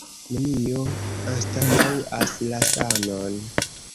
Nenio anstataŭas la sanon.